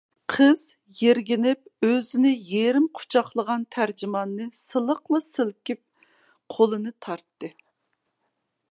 قىز يىرگىنىپ ئۆزىنى يېرىم قۇچاقلىغان تەرجىماننى سىلىقلا سىلكىپ قولىنى تارتتى.